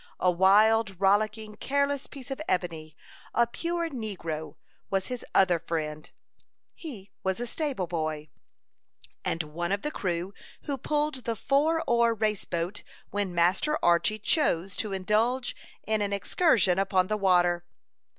A wild, rollicking, careless piece of ebony, a pure negro, was his other friend. He was a stable boy, and one of the crew who pulled the four oar race boat, when Master Archy chose to indulge in an excursion upon the water.